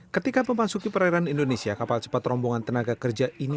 ketika memasuki perairan indonesia kapal cepat rombongan tenaga kerja ini